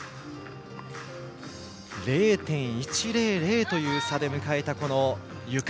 ０．１００という差で迎えたゆか。